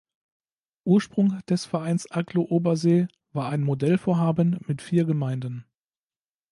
Ursprung des Vereins Agglo Obersee war ein Modellvorhaben mit vier Gemeinden.